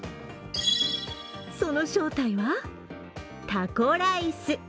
その正体は、タコライス。